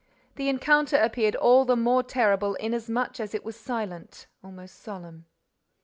The encounter appeared all the more terrible inasmuch as it was silent, almost solemn.